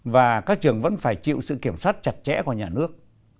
và các trường vẫn phải chịu sự kiểm soát chặt chẽ của nhà nước